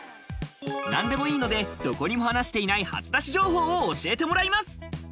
何でもいいので、どこにも話していない、初出し情報を教えてもらいます。